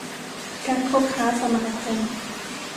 การคบค้าสมาคม